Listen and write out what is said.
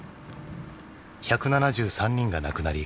１７３人が亡くなり